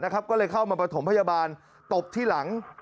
ก็เลยเข้ามาประถมพยาบาลตบที่หลัง